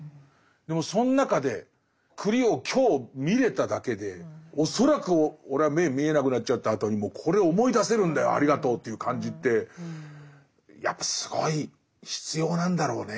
でもそん中で栗を今日見れただけで恐らく俺は目見えなくなっちゃったあとにもこれを思い出せるんだよありがとうという感じってやっぱすごい必要なんだろうね。